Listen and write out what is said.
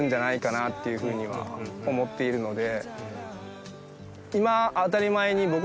覆辰いうふうには思っているので。